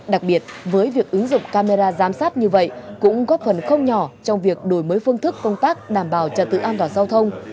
đặc biệt với việc ứng dụng camera giám sát như vậy cũng góp phần không nhỏ trong việc đổi mới phương thức công tác đảm bảo trật tự an toàn giao thông